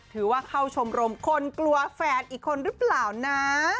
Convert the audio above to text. ถือว่าเข้าชมรมคนกลัวแฟนอีกคนหรือเปล่านะ